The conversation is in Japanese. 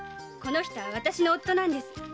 この人は私の夫なんです。